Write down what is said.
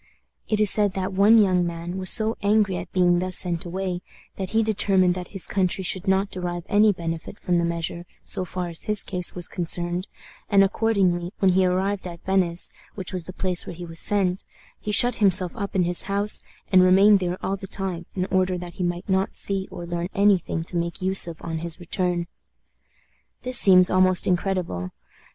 It is said that one young man was so angry at being thus sent away that he determined that his country should not derive any benefit from the measure, so far as his case was concerned, and accordingly, when he arrived at Venice, which was the place where he was sent, he shut himself up in his house, and remained there all the time, in order that he might not see or learn any thing to make use of on his return. This seems almost incredible.